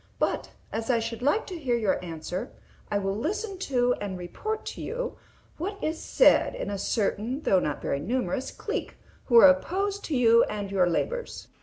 But, as I should like to hear your answer, I will listen to, and report to you, what is said in a certain though not very numerous clique, who are opposed to you and your labors.